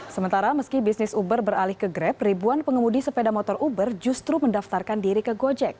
sementara meski bisnis uber beralih ke grab ribuan pengemudi sepeda motor uber justru mendaftarkan diri ke gojek